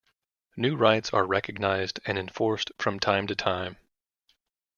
New rights are recognized and enforced from time to time.